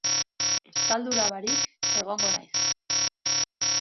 Estaldura barik egongo naiz.